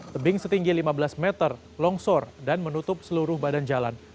tebing setinggi lima belas meter longsor dan menutup seluruh badan jalan